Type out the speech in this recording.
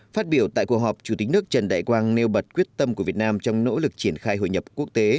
phát biểu tại cuộc họp chủ tịch nước trần đại quang nêu bật quyết tâm của việt nam trong nỗ lực triển khai hội nhập quốc tế